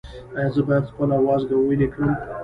ایا زه باید خپل وازګه ویلې کړم؟